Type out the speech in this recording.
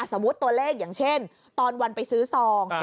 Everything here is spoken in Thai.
สมมุติตัวเลขอย่างเช่นตอนวันไปซื้อซอง